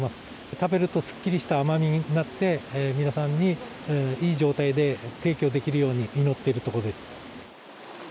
食べると、すっきりした甘みになって、皆さんにいい状態で提供できるように祈っているところです。